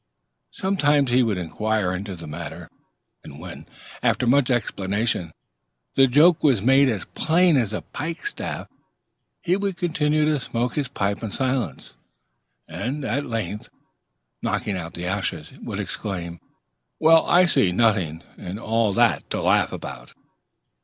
Sometimes he would deign to inquire into the matter, and when, after much explanation, the joke was made as plain as a pike staff, he would continue to smoke his pipe in silence, and at length, knocking out the ashes, would exclaim, "Well, I see nothing in all that to laugh about."